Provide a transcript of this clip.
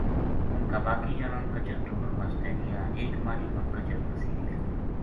اُنھ کا باقی جنا کچر ڈھُونڈن واسطے گیا ایک ماہلی ما کچر پھَسی وی لبھی